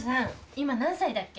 今何歳だっけ？